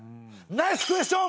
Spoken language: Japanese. ナイスクエスション！